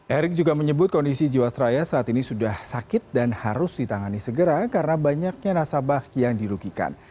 erick juga menyebut kondisi jiwasraya saat ini sudah sakit dan harus ditangani segera karena banyaknya nasabah yang dirugikan